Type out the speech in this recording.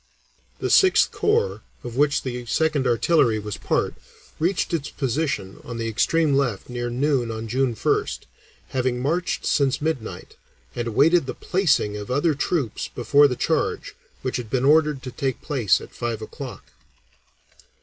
The Sixth Corps, of which the Second Artillery was part, reached its position on the extreme left near noon on June 1st, having marched since midnight, and awaited the placing of other troops before the charge, which had been ordered to take place at five o'clock.